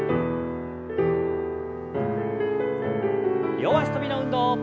両脚跳びの運動。